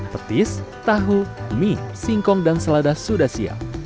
petis tahu mie singkong dan selada sudah siap